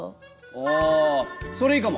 ああそれいいかも！